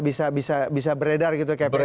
ini bisa beredar gitu kayak beredan